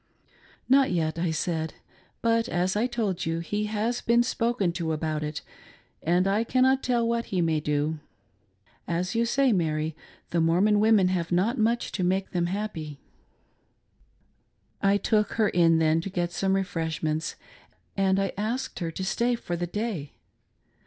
'"" Not yet," I said, " But, as I told you, he has been spoken to about it, and I cannot tell what he may do. As you say, Idary, the Mormon women have not much to make then* happy." I took her in then to get some refreshments, and I asked her to stay for the day.